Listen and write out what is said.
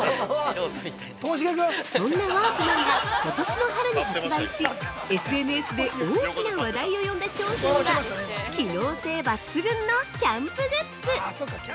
◆そんなワークマンがことしの春に発売し、ＳＮＳで大きな話題を呼んだ商品が機能性抜群のキャンプグッズ